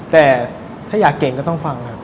แต่ถ้าอยากเก่งก็ต้องฟังครับ